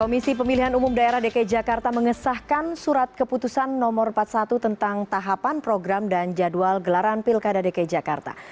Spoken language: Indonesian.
komisi pemilihan umum daerah dki jakarta mengesahkan surat keputusan nomor empat puluh satu tentang tahapan program dan jadwal gelaran pilkada dki jakarta